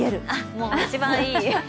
もう一番いい。